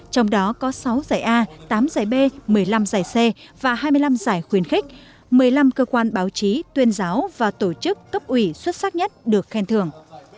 trong đó có sáu giải a tám giải b một mươi năm giải c và hai mươi năm giải khuyên khích một mươi năm cơ quan báo chí tuyên giáo và tổ chức cấp ủy xuất sắc nhất được khen thường